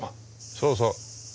そうそう。